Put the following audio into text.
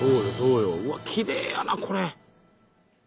うわっきれいやなこれ！